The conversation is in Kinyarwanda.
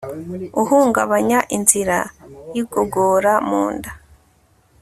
uhungabanya inzira y'igogora munda